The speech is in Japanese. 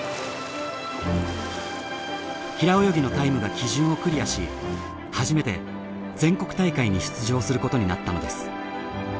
平泳ぎのタイムが基準をクリアし初めて全国大会に出場することになったのです。